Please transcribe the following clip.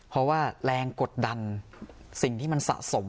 เพราะว่าแรงกดดันสิ่งที่มันสะสม